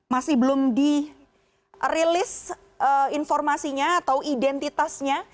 masih belum di rilis informasinya atau identitasnya